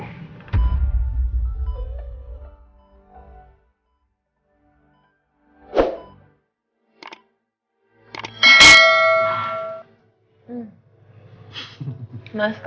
kamu harus bangun